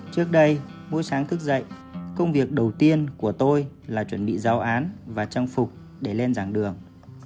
trước đây mỗi sáng thức dậy công việc đầu tiên của tôi là chuẩn bị giáo án và trang phục để lên giảng đường